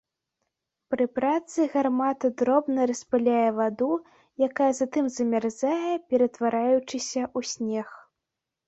Пры працы гармата дробна распыляе ваду, якая затым замярзае, ператвараючыся ў снег.